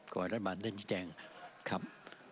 ขอให้รัฐบาลท่านชีแจงครับ